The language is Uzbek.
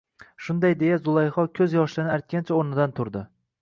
Shunday deya Zulayho ko`z yoshlarini artgancha o`rnidan turdi